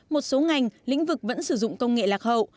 một số ngành lĩnh vực vẫn sử dụng công nghệ lạc hậu